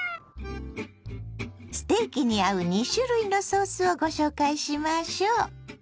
ステーキに合う２種類のソースをご紹介しましょう。